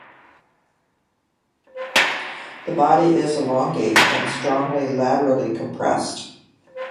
The body is elongate, and strongly laterally compressed.